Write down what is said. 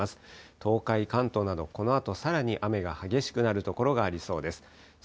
東海、関東など、このあとさらに雨が激しくなる所がありそうです。